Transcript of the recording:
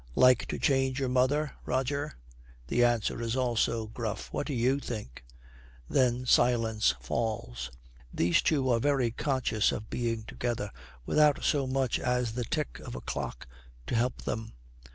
'Like to change your mother, Roger?' The answer is also gruff. 'What do you think?' Then silence falls. These two are very conscious of being together, without so much as the tick of a clock to help them.